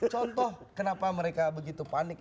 contoh kenapa mereka begitu panik